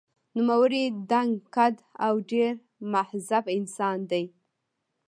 نوموړی دنګ قد او ډېر مهذب انسان دی.